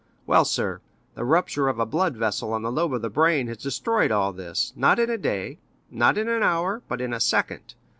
Well, sir, the rupture of a blood vessel on the lobe of the brain has destroyed all this, not in a day, not in an hour, but in a second.